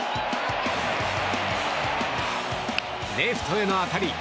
レフトへの当たり。